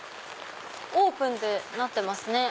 オープンってなってますね。